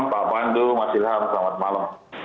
pak pandu mas ilham selamat malam